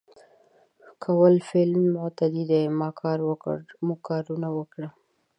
کول فعل متعدي دی ما کار وکړ ، موږ کارونه وکړ